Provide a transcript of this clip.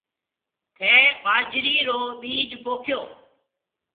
ٿَي ٻاجَرِي رو ٻِيج پوکيو۔